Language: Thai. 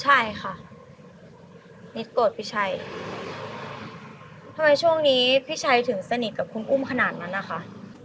ใช่ค่ะนิดโกรธพี่ชัยทำไมช่วงนี้พี่ชัยถึงสนิทกับคุณอุ้มขนาดนั้นนะคะ